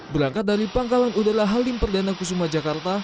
berangkat dari pangkalan udara halim perdana kusuma jakarta